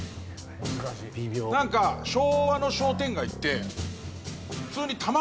なんか昭和の商店街って普通に。